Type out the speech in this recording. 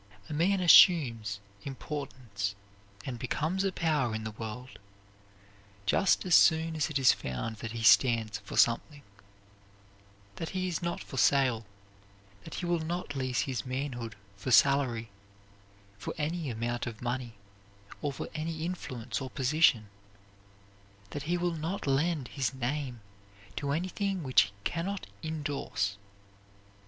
A man assumes importance and becomes a power in the world just as soon as it is found that he stands for something; that he is not for sale; that he will not lease his manhood for salary, for any amount of money or for any influence or position; that he will not lend his name to anything which he can not indorse.